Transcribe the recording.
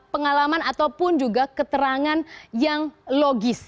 pengalaman ataupun juga keterangan yang logis